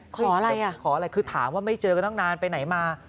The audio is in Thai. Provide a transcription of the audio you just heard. ขออะไรอ่ะขออะไรคือถามว่าไม่เจอกันตั้งนานไปไหนมา